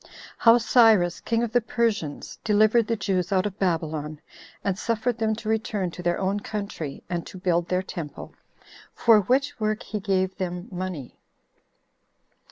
How Cyrus, King Of The Persians, Delivered The Jews Out Of Babylon And Suffered Them To Return To Their Own Country And To Build Their Temple, For Which Work He Gave Them Money.